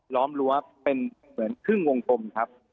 ้อมรั้วเป็นเหมือนครึ่งวงกลมครับ